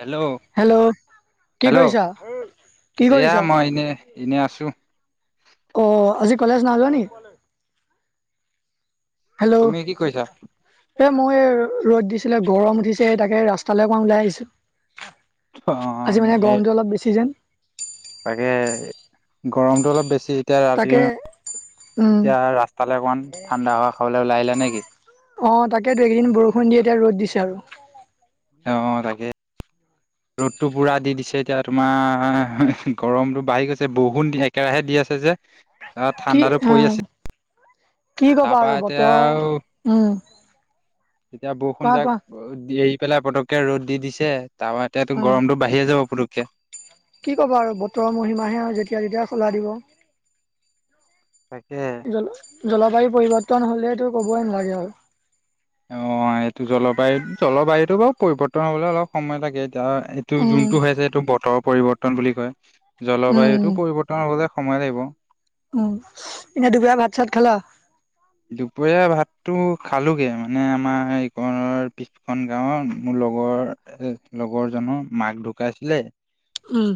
Hello hello কি hello কৰিছা। কি এয়া কৰিছা মই এনে এনে আছো। অ আজি কলেজ নাজাও নি, হেল্ল' তুমি কি কৰিছা এ মই ৰদ দিছো। আছিলে গৰম উঠিছে তাকে ৰাস্তালৈ অকণমান ওলাই আহিছো। অ আজি মানে এ গৰমটো অলপ বেছি যেন, তাকে গৰমতটো অলপ বেছি এতিয়া ৰাতি। তাকে উম তেতিয়া ৰাস্তালৈ অকমান ঠাণ্ডা হোৱা খাবলৈ ওলাই আহিলে নেকি। অ তাকেতো কেইদিন বৰষুণ দিয়ে এতিয়া ৰ'দ দিছে আৰু অ তাকে। [inaudible] ৰ'দটো পুৰা দি দিছে এতিয়া তোমাৰ গৰমটো বাঢ়ি গৈছে বহুত একেৰাহে দি আছে যে অ কি ঠাঁণ্ডা তো পৰি আহ আছিল,, কি কবা আৰু আৰু বতৰ উম এতিয়া বৰষুণ কোৱা যাক কোৱা এৰি পেলাই পতককে ৰ'দ দি দিছে তাৰ এতিাতো উম গৰমতটো বাঢ়িয়ে যাব পুকক কি কব আৰু বতৰৰ মহিমাহে আৰু যেতিয়া তেতিয়া সলাই দিব। তাকে। জল জলবায়ু পৰিবৰ্তন হ'লেটো ক'বই নালাগে আৰু অ এইটো জলবায়ু জলবায়ুতটো বাৰু পৰিৱৰ্তন হবলৈ অলপ সময় লাগে এতিয়া এইটো উম যোনটো হৈ আছে এইটো বতৰ পৰিৱৰ্তন বুলি কয়, উম জলবায়ুতটো পৰিৱৰ্তনৰ লগতে, সময় লাগিব, উম এনে দুপৰীয়া ভাত চাত খালা দুপৰীয়া ভাতটো খালোগে মানে আমাৰ এইৰ পিছখন গাঁওৰ মূল, লগৰ এ লগৰ জনৰ মাক ঢুকাইছিলে উম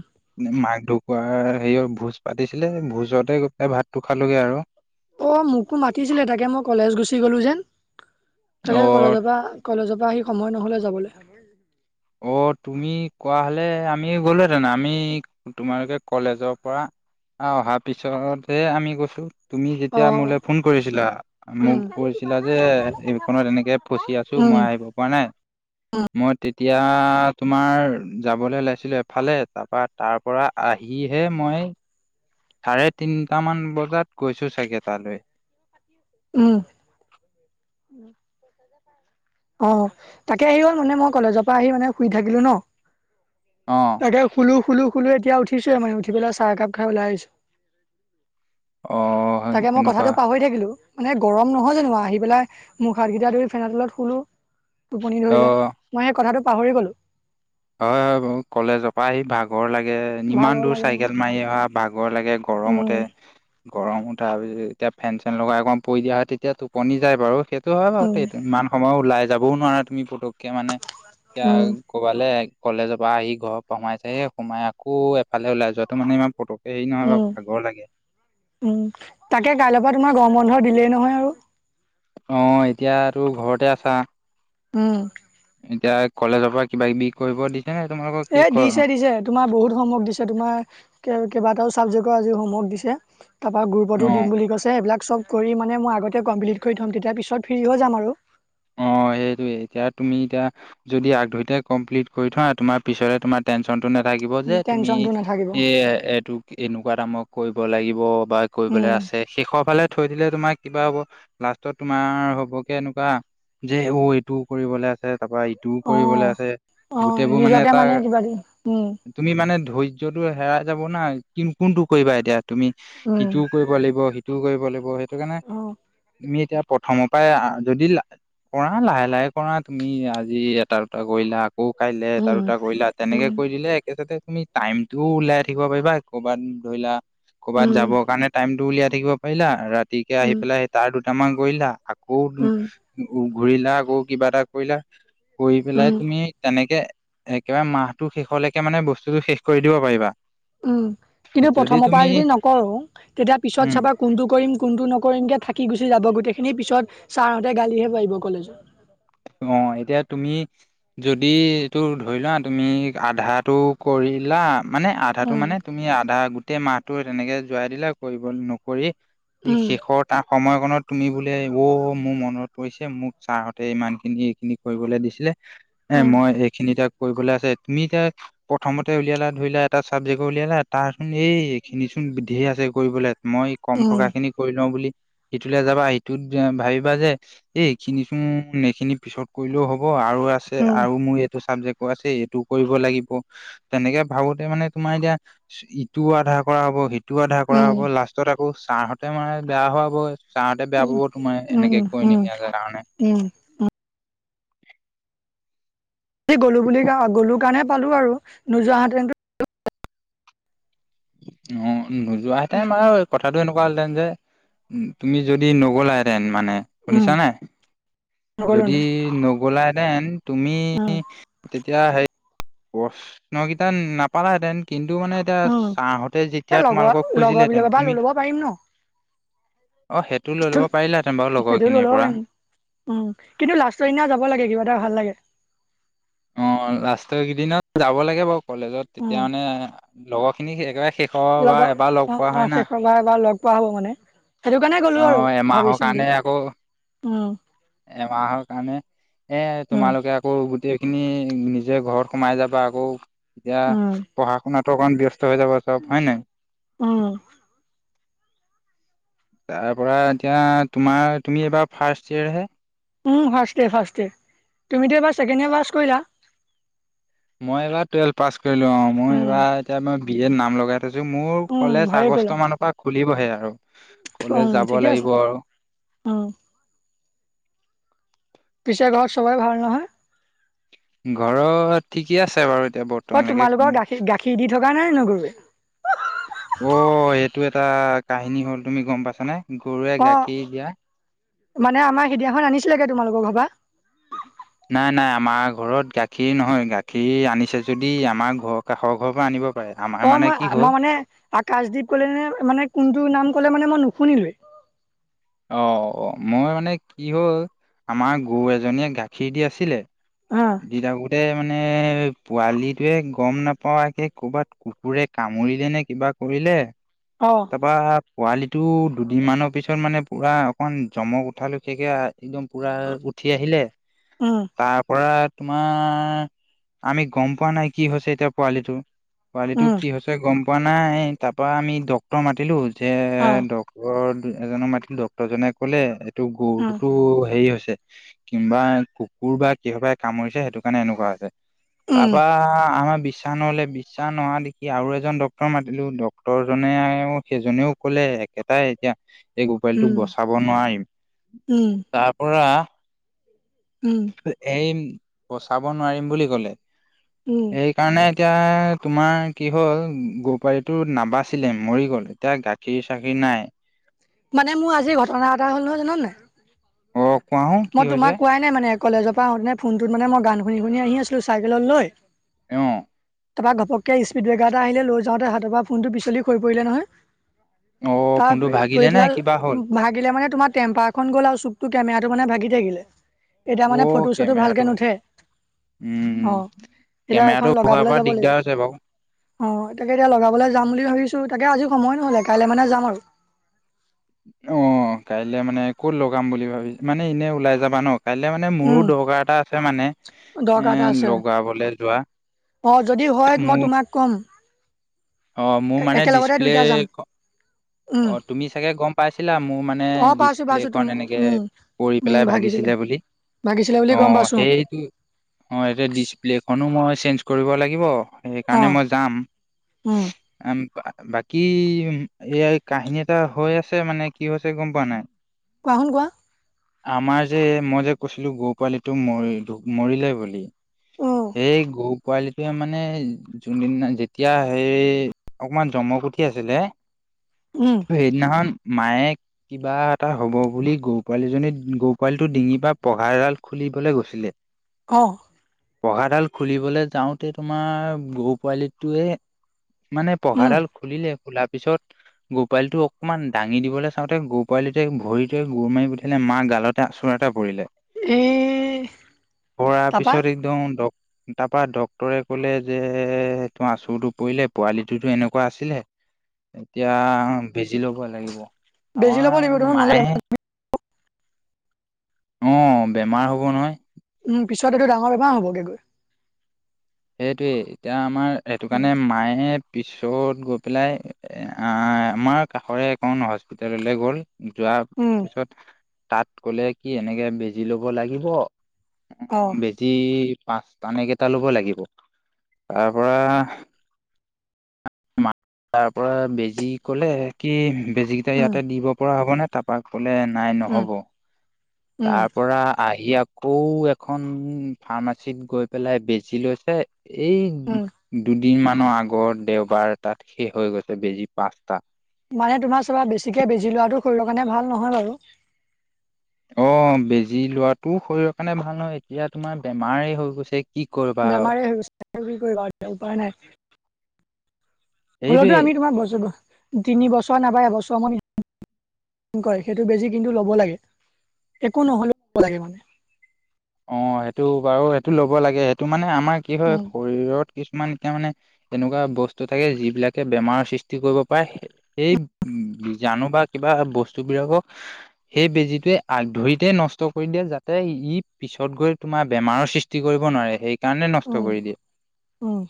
মাক ঢু ক হেৰি ভোজ পাতিছিলে ভোজতে গৈপেলাই ভাতটো খালোগে আৰু। অ', মোকো মাতিছিলে তাকে মই কলেজ গুচি গ'লো যেন তাকে অ', কলেজৰ পৰা কলেজৰ পৰা আহি সময় নহ'লে যাবলৈ। অ', তুমি কোৱা হলে আমি গ'লোহেতেো আমি তোমালোকে কলেজৰ পৰা আহ অহাৰ পিছতহে আমি গৈছো। তুমি যেতিয়া অ', মোলৈ ফোন কৰিছিলা মোক উম। কৈছিলা যে এইকনত এনেকে ফচি আছো উম, মই আহিব পৰা নাই উম, মই এতিয়া তোমাৰ যাবলৈ ওলাইছিলোঁ এফালে তাৰপৰা তাৰপৰা আহিহে মই চাৰে তিনটামান বজাত গৈছো চাগে তালৈ। উম। অ', তাকে আহি গ'ল মানে মই কলেজৰ পৰা আহি মানে শুই থাকিলো ন'। অ' তাকে, শুলো, শুলো, শুলো এতিয়া উঠিচোহে মানে, উঠি পেলাই চাহ একাপ খাই ওলাই আহিছো। অ' তাকে মই তেনেকুৱা কথাটো পাহৰি থাকিলো। মানে গৰম নহয় জানো বাৰু আহি পেলাই মুখ হাত কেইটা ধৰি ফেনৰ তলত শুলো টোপনি ধৰিলে, অ' মই এই কথাটো পাহৰি গ'লো। হয় হয়, মোৰ কলেজৰ পৰা আহি ভাগ ভাগৰ লাগে, ইমান ভাগৰ দূৰ লাগে মোৰ। চাইকেল মাৰি অহা ভাগৰ লাগে উম, গৰমতে গৰম উঠাৰ পিছত এতিয়া ফেন চেন লগাই অকম পৰি দিয়া হয়, তেতিয়া টোপনি যায় বাৰু সেই সেইটো হয় উম, বাৰু ইমান সময় ওলাই যাবও নোৱাৰা তুমি ফুটোকে মানে এতিয়া উম, ক'বালে কলেজৰ পৰা আহি ঘৰত সোমাইচাহি সোমাই আকৌ এফালে ওলাই যোৱাটো মানে ইমান ফটো উম, উম, তাকে কাইলৰ পৰা তোমাৰ গৰমত বন্ধ দিলেই নহয় আৰু। অহ এতিয়াতো ঘৰতে আছা। উম। এতিয়া কলেজৰ পৰা কিবা কিবি কৰিব দি এই দিছে দিছে, তোমাৰ বহুত হোমৱৰ্ক দিছে তোমাৰ কেইবাটাও ছাবজেক্টৰ আজি হোমৱৰ্ক দিছে। তাৰ পৰা গ্ৰুপটো অ দিম বুলি কৈছে এইবিলাক চব কৰি মানে মই আগতে কমপ্লিট কৰি থম, তেতিয়া পিছত ফ্ৰী হৈ যাম আৰু সেইটোয়ে, এতিয়া তুমি এতিয়া যদি আগ ধৰিতে কমপ্লিট কৰি থোৱা তোমাৰ পিছলে তোমাৰ টেনচন নাথাকিব যে তুমি টেনচনটো নাথাকিব এ এইটোক এনেকুৱা নামত কৰিব লাগিব বা কৰিবলৈ উম, আছে শেষৰ ফালে থৈ দিলে তোমাক কিবা হ'ব লাষ্টত তোমাৰ হ'ব কে এনেকুৱা যেই অহ এইটো কৰিবলে আছে তাৰপা ইটোও কৰিবলৈ অ', আছে অ', গোটেইবোৰ মানে নিজকে এটাৰ, কিবা দি উম, তুমি মানে ধৈৰ্যটো হেৰাই যাব না, কোনটো কৰিবা এতিয়া, তুমি উম, ইটোও কৰিব লাগিব স কৰিব লাগিব, সেইটো কাৰণে অ', তুমি এতিয়া প্ৰথমৰ পৰাই যদি কৰা লাহে লাহে কৰা তুমি আজি এটা দুটা কৰিলা আকৌ কাইলে এটা উম, দুটা কৰিলা তেনেকে উম, কৰিদিলে একেচাতে তুমি টাইমটোও উওলাই থাকিব পাৰিবা কৰবাত ধৰি লা কৰবাত উম, যাবৰ কাৰণে টাইম উলিয়াই থাকিব পাৰিলা, ৰাতিকে আহি উম, পেলাই তাৰ দুটামান কৰিলা আকৌ উম, ঘূৰিলা, আকৌ কিবা এটা কৰিলা, কৰি উম। পেলাই তুমি তেনেকে একেবাৰে মাহটো শেষলৈকে মানে বস্তুতটো শেষ কৰি দিব পাৰিবা। উম, কিন্তু যদি প্ৰথমৰ তুমি পৰা যদি নকৰো তেতিয়া পিছত উম চাবা কোনটো কৰিম কোনটো নকৰিম কে থাকি গুচি যাব গোটেই খিনি পিছত ছাৰহঁতে গালিহে পাৰিব কলেজত অ', এতিয়া তুমি যদি এইটো ধৰি লোৱা তুমি আধাটো কৰি দিলা মানে আধাটো উম, মানে তুমি আধা গোটেই মাহটো তেনেকে যোৱাই দিলা কৰিব নকৰি ই উম, শেষৰ তাৰ সময়ত ফনত তুমি বোলে, অ', মোৰ মনত পৰিছে মোক ছাৰহঁতে ইমানখিনি এইখিনি কৰিবলৈ দিছিলে [unintelligible] এ উম, মই এইখিনি তাক কৰিবলৈ আছে, তুমি এতিয়া প্ৰথমতে উলিয়ালা ধৰিলা, এটা চাবজেক্টউ উলিয়ালা, তাৰখিনি এই এইখিনি ধেৰ আছে কৰিবলে, মই কম থকা উম, খিনি কৰি লও বুলি ইটোলৈ যাবা ইটোত, ভাবিবা যে এই এইখিনিচোন এইখিনি পিছত কৰিলেও হ'ব হব আৰু আছে উম, আৰু মোৰ এইটো চাবজেক্ট আকৌ আছে এইটোও কৰিব লাগিব, তেনেকে ভাবোতে মানে তোমাৰ এতিয়া ইটোও আধা কৰা হব সি সিটো আধা কৰা উম, হ'ব, লাষ্টত আকৌ ছাৰহঁতে মানে বেয়া হোৱা হবই [unintelligible] ছাৰহতে বেয়া পাব, উম, তোমাৰ উম, এনেকে উম, কৰি উম, নিনিয়াৰ কাৰণে। গলো বুলি [unintelligible] গলো কাৰণে পালো আৰু নোযোৱাহতেন অ', নোযোৱাহেতেন উম, বাৰু, কথাটো এনেকুৱা কোৱাহেঁতেন যে তুমি যদি নগলােতেন মানে, উম, শুনিছা নে? নগ'লো যদি ন নগলাহেঁতেন, তুমি উম, তে তিয়া হেৰি প্ৰশ্নকেইটা নাপালাহেঁতেন। কিন্তু মানে এতিয়া, উম, ছাঁঁৰহতে যেতিয়া এই লগৰ তোমালোকক লগৰ খুজিলেহেতেন, বিলাকৰ পৰা লৈ তুমি ল'ব পাৰিম ন অ', সেইটো লৈ ল'ব পাৰিলাহেঁতেন বাৰু লগৰ সেইটো লৈ খিনিৰ ল'ব পৰা। পাৰিম উম কিন্তু লাষ্টৰ দিনা যাব লাগে, কিবা এটা ভাল লাগে। অ', লাষ্টৰ কেইদিনত যাব লাগে, বাৰু কলেজত তেতিয়া উম, মানে লগৰ খিনিক একেবাৰে শেষৰ বা লগৰ অ', এবাৰ লগ পোৱা অ', হয় না। শেষৰ বাৰৰ বাবে লগ পোৱা হ'ব মানে। সেইটো কাৰণে গ'লো আৰু, অ' এমাহৰ ভাবি কাৰণে চিন্তি আকৌ উম এমাহৰ কাৰণে, এ উম তোমালোকে আকৌ গোটেই খিনি নিজে ঘৰত সোমাই যাবা, আকৌ এতিয়া উম পঢ়া শুনাত প্ৰকাণ্ড ব্যস্ত হৈ যাব চব, হয় নে? উম। তাৰ পৰা এতিয়া তোমাৰ, তুমি এইবাৰ ফাৰ্ষ্ট ইয়েৰহে। উম ফাৰ্ষ্ট ইয়াৰ ফাৰ্ষ্ট ইয়াৰ, তুমিতো এইবাৰ ছেকেণ্ডয় পাছ কৰিলা? মই এইবাৰ টুৱেলভ পাছ কৰিলো, অ', মই উম এইবাৰ এতিয়াই বি এত নাম লগাই তাৰপিছত মোৰ উম কলেজ ভালেই কৰিলা আগষ্ট মানৰ পৰা খুলিবহে আ কলে উম যাব ঠিকে লাগিব আছে আৰু। উম পিছত ঘৰত সবাই ভাল নহয়। ঘৰত ঠিকে আছে বাৰু। এতিয়া অ', বৰ্তমানলৈকে তোমালোকৰ গাখীৰ-গাখীৰ দি থকা নাই ন, গৰুয়ে? অ', এইটো এটা কাহিনী হ'ল, তুমি গম পাইছানে, গৰুৱে অ গাখীৰ দিয়া মানে আমাৰ সিদিনাখন আনিছিলোগে, তোমালোকৰ ঘৰ পৰা। নাই নাই আমাৰ ঘৰত গাখীৰ নহয়, গাখীৰ আনিছে যদি আমাৰ ঘৰৰ কাষৰ ঘৰৰ পৰা আনিব পাৰে আমাৰ অ', মানে মই কি হ'ল মই মানে আকাশদ্বীপ কলে, মানে কোনটো নাম [unintelligible] [unintelligible] মানে মই নুশুনিলেও। অ', মই মানে কি হ'ল, আমাৰ গৰু এজনীয়ে গাখীৰ দি আছিলে অ ই দঙুতে মানে পোৱালিটোয়ে গম নাপােয়াকে ক লবাত কুকুৰে কামুৰিলে নে কিবা কৰি দিলে। অ তাৰপৰা পোৱালিটো দুদিন মানৰ পিছত, মানে পুৰা অকমান জমক উঠালো [unintelligible] একদম পুৰা উঠি আহিলে, উম তাৰ পৰা তোমাৰ আমি গম পোৱা নাই, কি হৈছে এতিয়া পোৱালিটো পোৱালি টো উম কি হৈছে গম পোৱা নাই, তাৰ পৰা আমি ডাক্তৰ মাতিলো এতিয়া অ ডাক্তৰ, এজনক মাতিলো ডাক্তৰজনে ক'লে এইটো, উম গৰুটোতো হেৰি হৈছে কিম্বা কুকুৰ বা কিহবাৰে কামুৰিছে, সেইটো কাৰণে এনেকুৱা হৈছে। উম তাৰপা আমাৰ বিশ বিশ্বাসনলে বিশ্বাস নোহোৱা দেখি আৰু এজন ডাক্তৰ মাতিলো, ডাক্তৰজনে অ সেইজনেও কলে একেটাই এতিয়া এই গো পোলটোক উম বচাব নোৱাৰিম উম, তাৰ পৰা উম, এই বচাব নোৱাৰিম বুলি কলে উম, সেইকাৰণে এতিয়া তোমাৰ কি হ'ল গপালিটো নাবাচিলে মৰি গ'ল এতিয়া গাখীৰ চাখীৰ নাই। মানে মোৰ আজিৰ ঘটনা এটা হ'ল নহয় জানা নাই? কওক মই তোমাক কোৱাই নাই মানে কলেজৰ পৰা আহোতে ফোনটোত মানে মই গান শুনি শুনি আহি আছিলো চাইকেলত লৈ আহ তাৰপ ঘপকে স্পীড ব্ৰেকাৰ এটা আহিলে লৈ যাওঁতে হাতৰ পৰা ফোনটো পিলি হৈ পৰিলে নহয়। অ তাৰ ফোনটো তু ভাগিলে নে পেলাই কিবা হ'ল ভাগিলে মানে তোমাৰ টেম্পাৰ এখন গ'ল আৰু চুকতটো কেমেৰা মানে ভাগি থাকিলে এতিয়া অ মানে ফটো চটো ভালকে কেমেৰাটো নুঠে। ভাগিলে উম অঁ এতিয়া এইখন কেমেৰাটো ভগোৱাৰ লগাবলৈ পৰা যাব লাগিব দিগদাৰ হৈছে অঁ তাকে এতিয়া লগাবলৈ যাম বুলি ভাবিছো তাকে আজি সময় নহলে কাইলে মানে যাম আৰু অঁ কাইলে মানে ক'ত লগাম বুলি ভাবি মানে এনে ওলাই যাবা ন? কাইলৈ মানে মোৰো উম। দৰকাৰ এটা আছে মানে এ দৰকাৰ এটা আছে লগাবলৈ যোৱা। অ যদি হয় মই মোৰ তোমাক ক'ম। অ এ মোৰ মানে একেলগতে ডিচপ্লে। দুইটা যাম অ উম তুমি চাগে গম পাইছিলা মোৰ মানে অ পাইছো পাইছো তুম ডিচপ্লেখনন এনেকে উম কৰি উম পেলাই ভাগিছিলে ভাগিছিলা। বুলি। ভাগিছিলে বুলি অ গম পাইছো সেইটো অ এতে ডিচপ্লেখনো মই চেঞ্জ কৰিব লাগিব। অ সেইকাৰণে মই যাম উম বাকী এইয় কাহিনী এটা হৈ আছে মানে কি হৈছে গম পোৱা নাই? কোৱা হুণ কোৱা হুন? আমাৰ যে মই যে কৈছিলো গৰু পালিটো ম মৰিলে বুলি। উম এই গ পোৱালিটোৱে মানে যোনদিনা যেতিয়া হেই অকমান জমক উঠি আছিলে। উম ত সেইদিনাখন মায়ে কিবা এটা হ'ব বুলি গৰু পোৱালিজনী গৰু পোৱালি ডিঙিৰ পৰা পঘা এডাল খুলি আহবলৈ গৈছিলে। অঁ। পগাডাল খুলিবলৈ যাওঁতে তোমাৰ গৰু পোৱালিটোৱে মানে উম পহাৰডাল খুলিলে খোলাৰ পিছত। গহপালিটো অকণমান দাঙি দিবলৈ চাওঁতে গোহ পালিটতে ভৰিটোৱ গুৰ মাৰি পঠালে মাক গালতে আচল এতে লে এই পাৰ তাপা পিছত একদম ডক তাৰপৰা ডক্তৰে কলে যে তোৰ আচুৰটো পৰিলে পোৱালিটোতো এনেকুৱা আছিলে। এতিয়া বেজি লব লাগিব বেজি আমাৰ ল'ব লাগিব ত নহ'লে মায়ে অঁ, বেমাৰ হ'ব নহয়। উম পিছত এইটো ডাঙৰ বেমাৰ হ'বগে গৈ। সেইটোৱে, এতিয়া আমাৰ সেইটো কাৰণে মায়ে পিছত গৈ পেলাই আমাৰ কাষৰে একণ হস্পিতেললৈ গ'ল যোৱাৰ উম পিছত তাত কলে কি এনেকে বেজি লব লাগিব অ বেজি পাঁচটা নে কেইটা ল'ব লাগিব। তাৰ পৰা তাৰ পৰা বেজি কলে কি বেজিকেইটা উম ইয়াতে দিব পৰা হব নে? তাৰপা কলে নাই উম নহ'ব উম তাৰ পৰা আহি আকৌ এখন ফাৰ্মাচীত গৈ পেলাই বেজি লৈছে। উম এই দু দিনমানৰ আগত দেওবাৰ এটাত শেষ হৈ গৈছে বেজি পাঁচটা। মানে তোমাৰ চাবা বেছিকে বেজি লোৱাটো শৰীৰৰ কাৰণে ভাল নহয় বাৰু। অ', বেজি লোৱাটো শৰীৰৰ কাৰণে ভাল হয়হয় এতিয়া তোমাৰ বেমাৰেই হৈ গৈছে কি কৰিবা আৰু বেমাৰে [unintelligible] উপায় নাই হলেতো সেইটোৱে আমি তোমাৰ বছৰ তিনি বছৰ নাপাই এবছৰ মান কয় সেইটো বেজি কিন্তু ল'ব লাগে একো নহ'লেও' লাগে মানে অ', সেইটো বাৰু সেইটো ল'ব লাগে সেইটো মানে আমাৰ কি হয় উম শৰীৰত কিছুমান য়া মানে এনেকুৱা বস্তু থাকে যিবিলাকে বেমাৰৰ সৃষ্টি কৰিব পাৰে সেই জানো বা কিবা বস্তুবিলাকক সেই বেজীটোৱে আগ ধৰিতে নষ্ট কৰি দিয়ে যাতে ই পিছত গৈ তোমাৰ বেমাৰৰ সৃষ্টি কৰিব নোৱাৰে সেই কাৰণে নষ্ট উম কৰি দিয়ে উম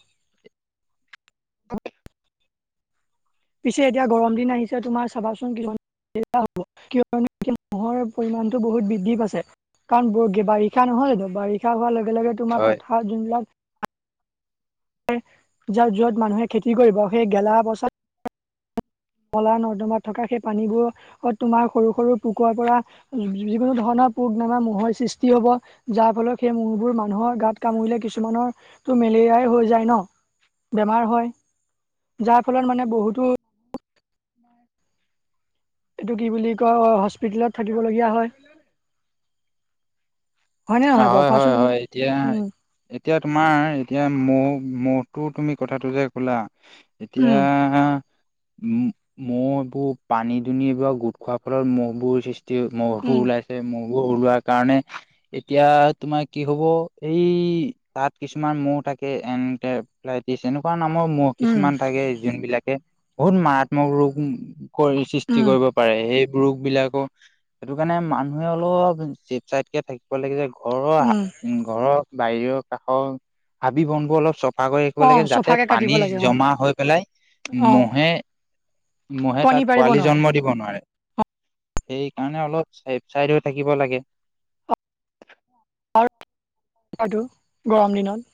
পিছে এতিয়া গৰম দিন আহিছে তোমাৰ চাবাচোন কিমান [unintelligible] পৰিমাণতটো বহুত বৃদ্ধি পাইছে। কাৰণ বাৰিষা নহয় জানো বাৰিষা হোৱাৰ লগে লগে অ তোমাৰ পথাৰত যোনবিলাক য যত মানুহে খেতি কৰিব সেই গেলা পছাত কলা নৰ্দমাত থকা সেই পানীবোৰ তোমাৰ সৰু সৰু পোকুৰৰ পৰা যিকোনো ধৰণৰ পগ নামা মৰ সৃষ্টি হব যাৰ ফলত সেই মহবোৰ মানুহৰ গাত কামুৰিলে কিছুমানৰো মেলেৰিয়া হৈ যায় ন বেমাৰ হয় যাৰ ফলত মানে বহুতো [unintelligible] এইটো কি বুলি কয় হস্পিতেলত থাকিব লগগীয়া হয়। হয়নে নহয় অ', বাৰু হয়, কোৱাচোন হয়, তুমি? হয় এতিয়া উম এতিয়া তোমাৰ এতিয়া মোক মতো তুমি কথাটো যে কলা এতিয়া উম উ মহ এইবোৰ পানী দুন এইবোৰ গোট খোৱাৰ ফলত মহবোৰ সৃষ্টি এ ম'হবোৰ উম ওলাইছে ম'বোৰ ওলোৱোৱা কাৰণে এতিয়া তোমাৰ কি হব এই তাত কিছুমান ম থাকে এ এনেকুৱা নামৰ মহ উম কিছুমান যোন বিলাকে বহুত মাৰাত্মক ৰূপ কৰি সৃষ্টি উম কৰিব পাৰে সেই ৰোগ বিলাকো সেইটো কাৰণে মানুহে অলপ জেপ চাইটকে থাকিব লাগে যে ঘৰৰ উম উ ঘৰৰ বাহিৰৰ কাষৰ হাবি বনবোৰ অলপ চ চাফা কৰি ৰাখিব অ লাগে যাতে চফাকে কাটিব পানী লাগে অ জমা হৈ অ মহে, মহে কণী তাত পাৰিব পোৱালি নোৱাৰে জন্ম দিব নোৱাৰে। সেই কাৰণে অলপ চেভ চাইডো থাকিব লাগে। আৰুটো গৰম দিনত